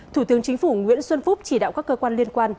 thủ tướng chính phủ nguyễn xuân phúc chỉ đạo các cơ quan liên quan